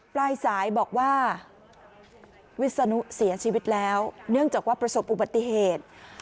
ปลายสายบอกว่าวิศนุเสียชีวิตแล้วเนื่องจากว่าประสบอุบัติเหตุ